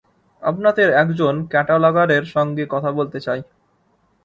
আপনাদের একজন ক্যাটালগারের সঙ্গে কথা বলতে চাই।